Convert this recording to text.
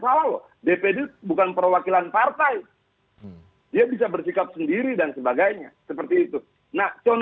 penundaan untuk situasi yang diluar unpredictable force majeure